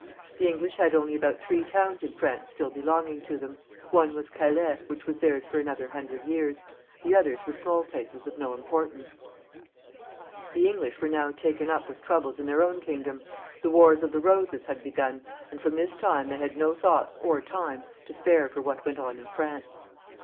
The English had only about three towns in France stiU belonging to them ; one was Calais, which was theirs for another hundred years ; the others were small places of no iijjportance. The English were now taken up with troubles in their own kingdom. The Wars of the Boses had begun, and from this time they had no thought or time to spare for what went on in France.